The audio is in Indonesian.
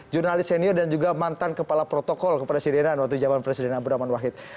jurnalis senior dan juga mantan kepala protokol kepresidenan waktu jaman presidenan beraman wahid